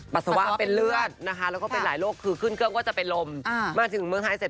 ปัสสาวะเป็นเลือดนะคะแล้วก็เป็นหลายโรคคือขึ้นเครื่องก็จะเป็นลมมาถึงเมืองไทยเสร็จ